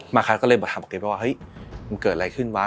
มาร์คัสก็เลยบอกทางบอกเกเบียลว่าเฮ้ยมันเกิดอะไรขึ้นวะ